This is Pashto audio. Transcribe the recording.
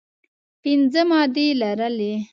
پنځه مادې لرلې.